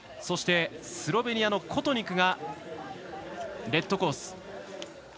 そしてスロベニアのコトニクがレッドコース。